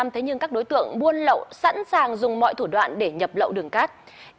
thế nhưng các đối tượng buôn lậu sẵn sàng dùng mọi thủ đoạn để nhập lậu đường cát